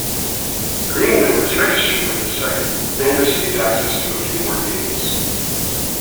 Green members registered with the site and received access to a few more games.